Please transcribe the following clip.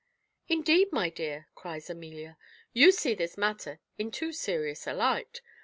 "Indeed, my dear," cries Amelia, "you see this matter in too serious a light.